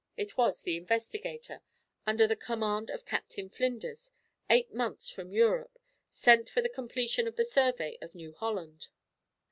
It was the Investigator, under command of Captain Flinders, eight months from Europe, sent for the completion of the survey of New Holland.